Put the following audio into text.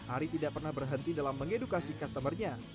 ari tidak pernah berhenti dalam mengedukasi customer nya